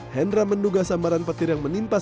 hendra menduga sambaran petir yang menimpa